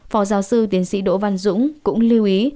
phó giáo sư tiến sĩ đỗ văn dũng cũng lưu ý